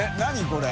これ。